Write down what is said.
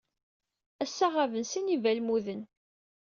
Ass-a, ɣaben sin n yibalmuden.